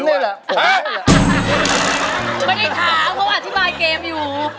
ไม่ได้ถามเขาอธิบายเกมอยู่